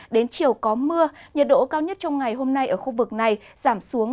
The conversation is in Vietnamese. đến chiều có mưa nhiệt độ cao nhất trong ngày hôm nay ở khu vực này giảm xuống